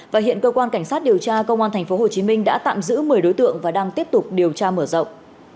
và hiện cơ quan cảnh sát điều tra công an tp hcm đã tạm giữ một mươi đối tượng và đang tiếp tục điều tra mở rộng